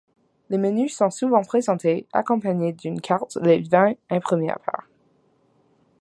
Les menus sont souvent présentés accompagnés d'une carte des vins imprimée à part.